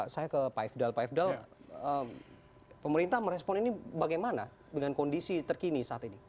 saya ke pak ifdal pak ifdal pemerintah merespon ini bagaimana dengan kondisi terkini saat ini